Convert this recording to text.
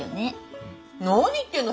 何言ってんの。